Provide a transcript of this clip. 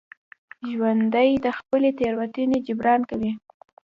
ژوندي د خپلې تېروتنې جبران کوي